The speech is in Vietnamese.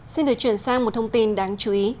xin được chuyển sang một thông tin đáng chú ý